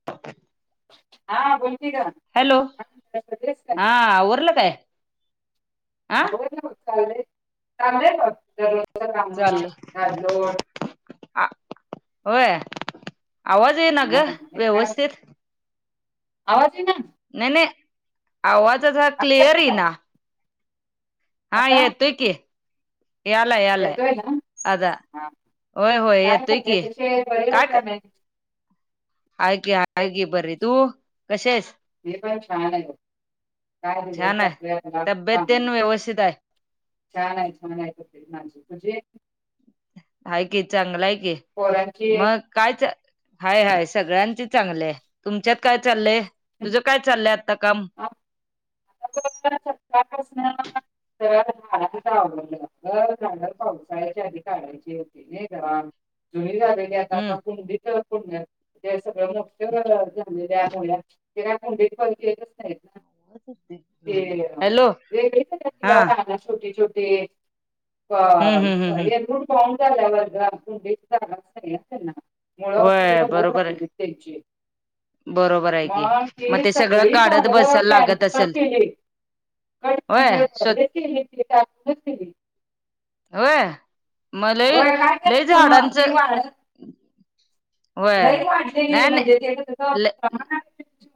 े [inaudible] हां, बोल की गं. हॅलो! हां, आवरलं काय? हा [unintelligible] चाललंय? चाललंय बघ, [unintelligible] कामं, झाडलोट आ, होय. आवाज ये ना ह ग हे का व्यवस्थित आवाजही ना. नाही नाही आवाजचा क्लिअर येईना. हा ये तुकी येला येला आला. होय होय येतोय की काय. हाय की हाय की पदी तू कशी आहेस? मी पण छान आहे छान आहे तब्येत तेन [unintelligible] व्यवस्थित आहे छान आहे छान आहे माण तुझे. हाय की चांगलं आहे कि मग, काय ते, हाय हाय, सगळ्यांच चांगलंय. तुमच्यात काय चाललय? तुझं काय चाललंय आत्ता काम? ह सतापासून [unintelligible] आवडलंर जागर पावसाच्या आधी काढायची होती नाही घर तुम्ही काय [unintelligible] ते सगळं मोक्य झालेल्या मु ते का कोंडी प येतच नाहीत ना. [unintelligible] ते हॅलो वेगळे हा पायला छोटे छोटे. हम्म हम्म हम्म अ हम्म हेण फॉन झाल्या वर्ग अ झालाच नाही त्यांना. मुळं होय पूर्ण बरोबर आहे. होली त्यांची. बरोबर आहे की मग ते सगळं सगळी काढत कागद बसायला लागत कॅरीबॅग असेल के होय स्व म्हणजे हे केले केली. होय. मग लई होय काय लई करच मग झाडांचं तिवाळ. होय लईन वाढलेली आहे नाही नाही म्हणजे त्या त लई प्रमाण.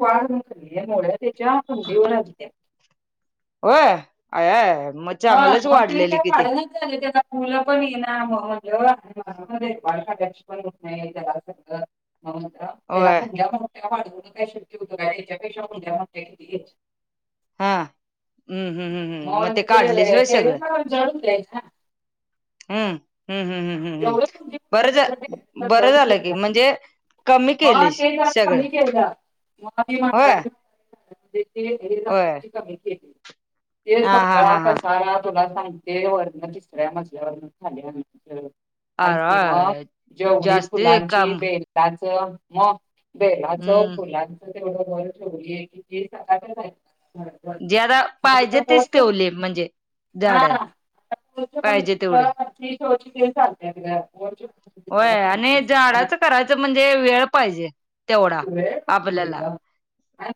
वाढखली मु त्याच्या हंडीवर आली. होय आया आया. हा मग ते काय पाडं नाय झालं त्याना मुलं पण येईना मग म्हणल्यावर, [unintelligible] त्याला होय सगळं [unintelligible] [unintelligible] हा, हम्म हम्म हम्म हम्म म ते काढलीस ते होय ते सगळं म जड [unintelligible] हम्म, हम्म हम्म हम्म. हम्म हम्म, बरं झा बरं झालं की म्हणजे कमी म केलीस ते जरा सगळं कमी केलं मग ती होय म्हातारी होय [unintelligible] कमी केली, ते हा हा सगळा हा हा पसारा तुला सांगते वरनं तिसऱ्या मजल्या वरनं खाली आणलं. हायचं की मग, अ जेवढी जास्ती फुलांची काम बेल लांच म बेलाचं हम्म फुला तेवढं वर ठेवली, [unintelligible] ज्यादा पाहिजे तेच ठेवले म्हणजे झाडं. [unintelligible] शोची ती चालत्यात गं. होय, आणि झाडाचं करायचं म्हणजे वेळ पाहिजे तेवढा. आपल्याला,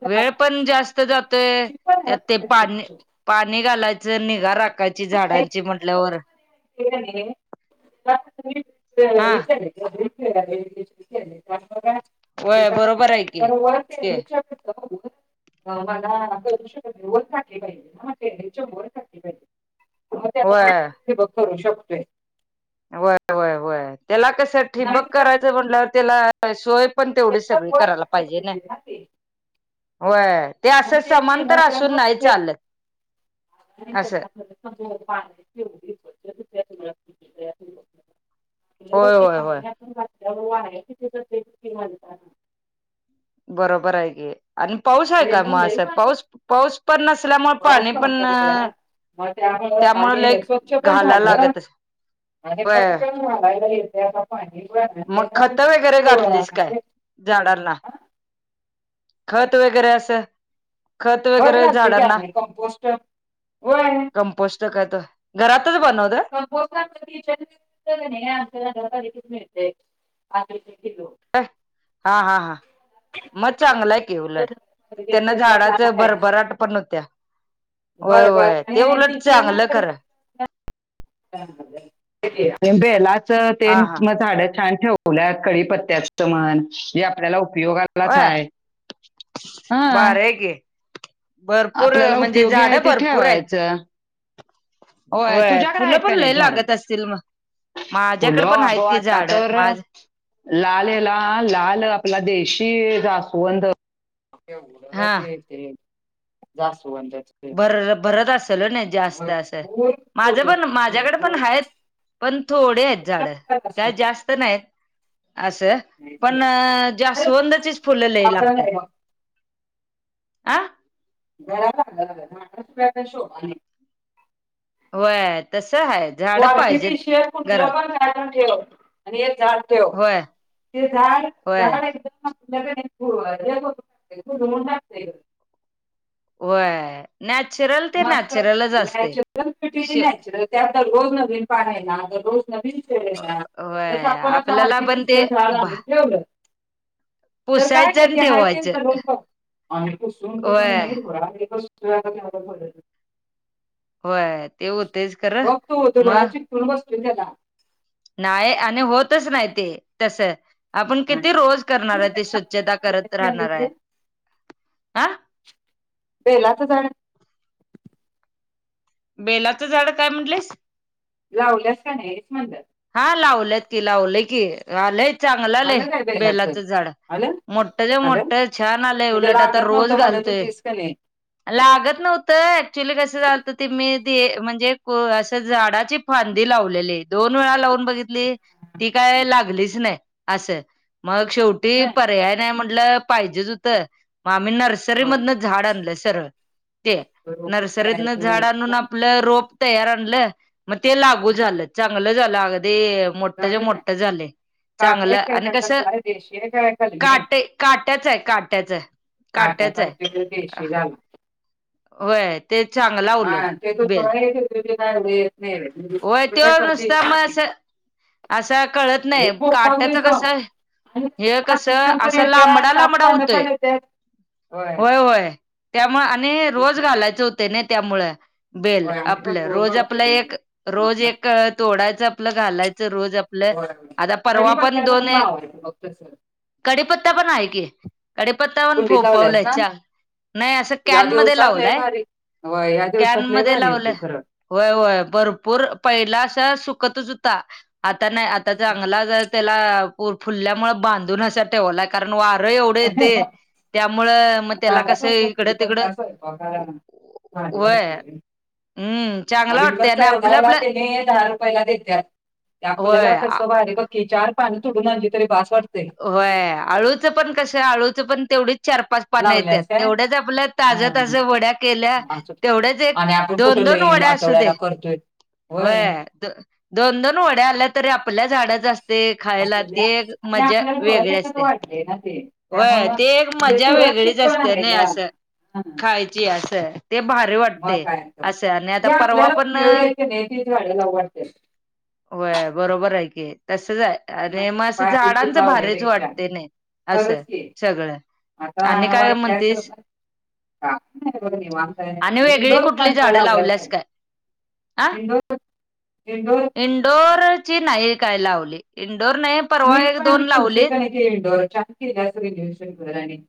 वेळ पण जास्त जातोय त्यात ते पाणी पाणी घालायचं निगा राखायची झाडांची म्हटल्यावर. ते की नाय, [unintelligible] हा हे केलंय [inaudible] [unintelligible] अ वय मला बरोबर आहे की ते करू पोहचू शकत नाय वर घातली पाहिजे [unintelligible] बघू ते आता [unintelligible] होय ठिबक करू शकतोय. व्हय व्हय व्हय, त्याला कसं ठिबक करायचं म्हंटल्यावर त्याला सोय पण तेवढी सगळी करायला पाहिजे ना, होय. ते असं समांतर असून नाही चालत, असं. [unintelligible] अग होय ते होय होय पाणी आपण घातल्याव वाळायचं [unintelligible] बरोबर आहे की, आणि पाऊस आहे का मग असं पाऊस पाऊस पण नसल्यामुळे पाणी पण अ म त्यामुळं त्यामुळे लई आणि स्वच्छ पण घाला झालं. लागत अस आणि होय पटकन घालायला येतंय आता पाणी पण मग त्यानं, खत वगैरे होय. घातलीस काय झाडांना, खत वगैरे असं खत वगैरे झाडांना, कमपोस्ट च खत, घरातच बनवतं? [unintelligible] तिथल्या तिथं की नाय आमचं नगर पालिकेत मिळतंय, पाच रुपये किलो. हा हा हा. मग चांगलाय की उलट, त्यांनं झाडाचं भरभराट पण होत्या. व्हय व्हय, ते उलट चांगलं खरं. चांगलं, मग बेलाचं हा तेन हा मग झाडं छान ठेव तुला कडीपत्त्याचं म्हण, जे आपल्याला उपयोगाला व्हय? हा भारी आहे की. भरपूर अ आपल्याला म्हणजे उपयोगी आहे झाडं ते भरपूर आहेत. ठेवायचं होय व्हय, तुझ्याकडे आहेत फुलं पण का लय नाही झाडं लागत असतील मग? माझ्याकडे फुलं पण आहेत अगं की आता झाड तर. माझ लालेला लाल आपला देशी जास्वंद. हा [unintelligible] जास्वंद. भर भरत असल नाही जास्त असं, माझं पण माझ्याकडे पण आहेत. पण थोडे आहेत झाड काय जास्त नाहीत. असं, पण जास्वंदचीच फुलं लय लागत्यात. आ. बब शो. [unintelligible] वय तस आहे झाड पाहिजेत [unintelligible] कुठलं घरात पण ठेव आणि एक झाड ठेव, होय ते झाड होय झाड [unintelligible] व्हय. [unintelligible] श नॅचरल त्यात रोज पाहायला रोज नवीन [unintelligible] जस होय आपण असं आपल्याला पण ते आर्टिशिफिल झाड आणून ठेवलं. तर काय पुसायचं ग आणि ते हाय ते ठेवायचं करून ठेव. आणि पुसून पुसून होय नाही. [unintelligible] होय ते होतयच खरं, म. त बस्तू त्याला. नाय आणि होतच नाही ते, तस. आपण किती रोज करणार आहे ती स्वच्छता करत राहणार आहे. आ. बेलाच झाड. बेलाचं झाड काय म्हटलीस. लावल्यास काय नाही म्हटलं. हा लावल्यात की लावलय की आलंय चांगलं आलंय बेलाच झाड. मोठं च्या मोठं छान आलंय उलट आता रोज घालतोय. लागत नव्हतं ऍक्च्युली कसं झालतं ते मी ते म्हणजे असं झाडाची फांदी लावलेली दोन वेळा लावून बघितली ती काय लागलीच नाही असं. मग शेवटी पर्याय नाही म्हटलं पाहिजेच होतं मग आम्ही नर्स. री मधन झाड आणलं सरळ ते नर्सरीतन झाड आणून आपलं रोप तयार आणलं मग ते लागू झालं चांगलं झालं अगदी. मोठं च्या मोठं झाले. चांगलं आणि कस काट काट्याचं आहे काट्याचं. काट्या सारखं देशी झालतं. होय ते चांगला उलट बेल. तेत नाही. होय ते नुसता मग असं असं कळत नाही काटाच कसं. हे कस असा लांबडा लांबडा होतोय, होय होय. त्यामुळ आणि रोज घालायच होतय नाय त्यामुळ बेल आपलं रोज आपलं एक. रोज एक तोडायचं आपलं घालायचं रोज. आपलं आता परवा पण दोन एक कडीपत्ता पण आहे की. कडेपत्तावन फोपवलाय. नाही असं कॅन मध्ये लावलंय कॅन मध्ये लावलं. होय होय भरपूर पहिला असा सुकतच होता. आता नाही आता चांगला जर त्याला फुलल्यामुळे बांधून अस. ठेवला कारण वार एवढं येतय त्यामुळ म त्याला कसं इकडं तिकडं व व व्हय. हम्म चांगला वाटतंय ना आप गावाला त्यांनी दहा रुपला देत्यात ते आपल्याला होय कस भारी बघ की चार पाणी तोडून आणली तरी बास वाटतय. होय आळूचं पण कसं आळूचं पण तेवढीच चार पाच पाण येत्यात तेवढ्यच आपल्या ताज ताज वड्या केल्या तेवढ्यच एक दोन दोन वड्या असू दे करतोय. होय द दोन दोन वड्या आल्या तरी आपल्या झाडाच असते. खायला ते एक मजा आपल्या डोळ्या देखत वाढलंय ना ते होय ते एक मजा वेगळीच असते नय असं खायची असं ते भा री वाटतंय अस नी आता परवा पण व्हय बरोबर हाय की तसच हाय आणि म अस झाडांच भारीच वाटतय नाय. असं सगळं आणि काय म्हणतीस का नाय बघ निवांत हाय आणि हे दोनच माणसं लावल्यास काय आ इनंडोर ची नाही काय लावले इंनंडोर नाही परवा एक दोन लावले. इनडोर छान केलास रिनूएशन घर आणि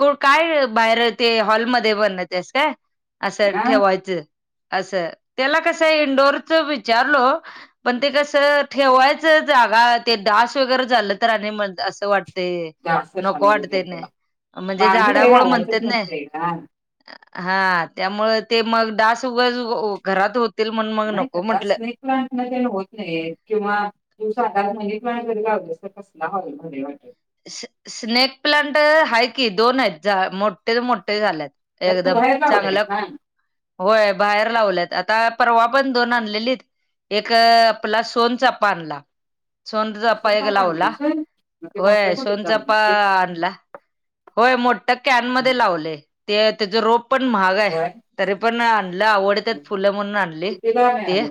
क काय बाहेर ते हॉलमध्ये बण तेस काय असं ठेवायचं असं त्याला कसं इंडोरच विचारलो पण ते कसं ठेवायचं जागा ते डास वगैरे झालं तर आणि मग असं वाट ते नको वाटतय ना म्हणजे झाडामूळ म्हणतेत नाय. हा त्यामुळ ते मग डास उगच घरात होत नाही का डास नाही प्लांट मध्ये होत नाही किंवा तु सांगा [unintelligible] लावलस तर कसला हॉल मधी वाटल. स्ने स्नेक प्लांट हाय की दोन हायेत जा मोठ्यात मोठे झाल्यात. एकदम चांगलं होय बाहेर लावल्यात आता परवा पण दोन आणलेलीत एक आपला सोनचापा आणला सोनचापा एक लावला. होय सोनचापा अं आणला. होय मोठ्ठ कॅनमध्ये लावलय ते त्याचा रोप पण महाग हाय तरी पण आणं ला आवडत्यात फुलं म्हणून आणली ते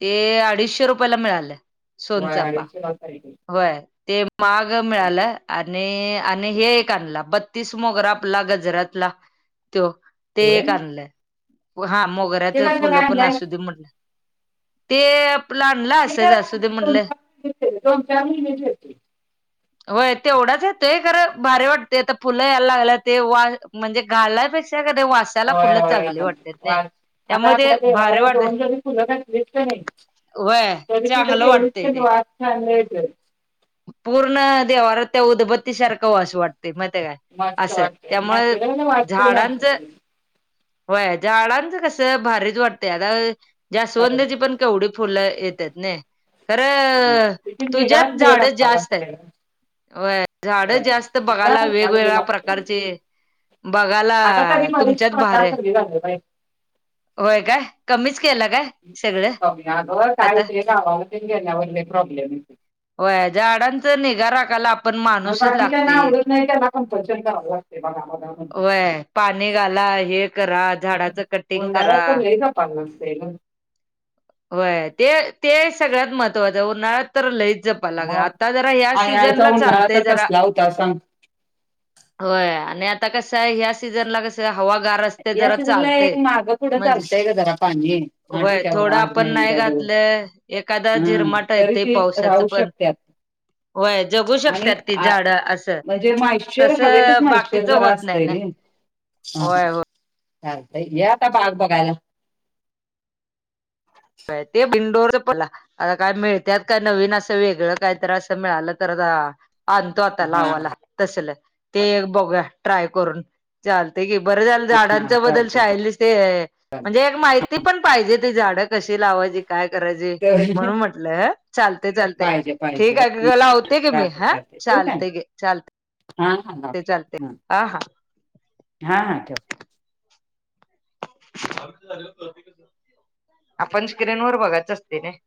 ते अडीचशे रुपयाला मिळालं सोनचापा. [unintelligible] होय ते महाग मिळालं आण णि आणि हे एक आणला बत्तीस मोगरा आपला गजऱ्यातला त्यो ते एक आणलं हा मोगऱ्याच फुलं पण असु दे म्हटलं ते आपल आणलं असंच असू दे म्हटलं त्याला दोन चार महिने जातील. होय तेवढाच येतोय खरं भारी वाटतय आता फुलं यायला लागल्या ते वा म्हणजे घालाय पे ते काय ते वास होय वास आता त्यामुळे ते आपल्या देवला भारी ही वाट दोन जरी फुलं घातलीत क नी. वय तरी की चांगलं गेलीस वाटतंय तर ते वास छान येतोय. पूर्ण देवाऱ्यात त्या उदबत्तीसारखं वास वाटतय माहितीये काय असं, त्यामुळ झाडांचं. व्हय झाडांच कस भारीच वाटते आता, जास्वंदची पण. तेवढ फुल येत्यात न, खरं तुझ्याच झाडं जास्त अत आहेत [unintelligible] व्हय झाडं जास्त बघायला, वेगवेगळ्या प्रकारचे बघायला तुमच्यात भारे. व्हय काय, कमीच केलं काय? सगळं मम्मी अग आता शाळेत [unintelligible] गावावर गेल्यावर लई प्रॉब्लेम य व्हय झाडांचं निगा राखायला आपण मग माणूसच लागतोय बाकीच्याना एक आवडत नाही त्याना कम्पलशन करावं लागत गावामध्ये [unintelligible] व्हय पाणी घाला, हे करा झाडाचं कटिंग करा. व्हय ते, ते सगळ्यात महत्त्वाचं उन्हाळ्यात तर लईच जप मग आणि याचा उन्हाळा तर कसला होता सांग व्हय आणि आता कसं ह्या सीझनला कस त हवा गार असतं या जरा सीझनला एक चालतय, माग पुढे म्हणजे चालतंय का जरा पाणी हा व्हय ठीक आहे बाबा थोडा आज पण नाही उद्या देऊ घातलं, एखादा हा झिरमाट तरी येतं ते पावसाचं राहू पण. शकतात व्हय जगू आणि शकत्यात ती आ- झाडं असं, म्हणजे मॉइश्चर तस हवेतच मॉइश्चर बाकीच जरा व्हत नाही असतंय ना. होय हो. चालतंय ये आता बाग बघायला. व्हय ते बिंडोर पला आता काय मिळतय काय नवीन असं वेगळं, काही असं मिळालं तर आ आणतो आता लावाला तसल, ते एक बघूया ट्राय करून. चालत की, बरं झालं झाडांच्या बदल शाळेतली ते म्हणजे एक माहिती पण पाहिजे ते झाडं कशी लावायची, काय करायची म्हणून म्हटलं चालत चालत. ठीक आहे ग लावते ग मी हां चालते गे चालते हा हा ह चालते ह हा हा हा हा ठेव. [unintelligible] आपण स्क्रीनवर बघायच असते नय?